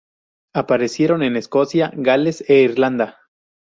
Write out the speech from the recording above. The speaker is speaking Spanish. Aparecieron en Escocia, Gales e Irlanda.